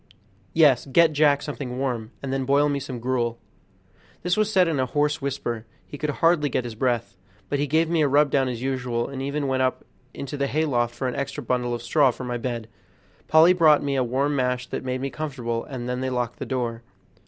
"Yes; get Jack something warm, and then boil me some gruel." This was said in a hoarse whisper; he could hardly get his breath, but he gave me a rub down as usual, and even went up into the hayloft for an extra bundle of straw for my bed. Polly brought me a warm mash that made me comfortable, and then they locked the door.